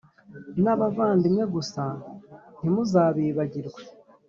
n abavandimwe gusa ntimuzabibagirwe.